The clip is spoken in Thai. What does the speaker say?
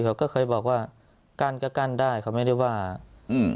เขาก็เคยบอกว่ากั้นก็กั้นได้เขาไม่ได้ว่าอืม